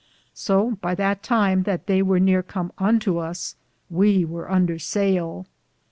So by that time that theye weare com unto us, we weare under saille.